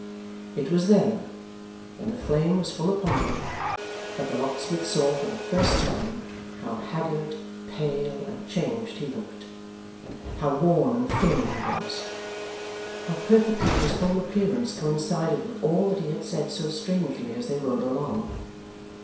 It was then, when the flame was full upon him, that the locksmith saw for the first time how haggard, pale, and changed he looked; how worn and thin he was; how perfectly his whole appearance coincided with all that he had said so strangely as they rode along.